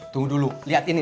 tunggu dulu lihat ini